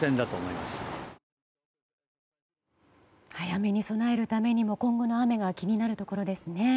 雨に備えるためにも今後の雨が気になるところですね。